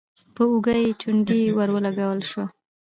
په اوږه يې چونډۍ ور ولګول شوه: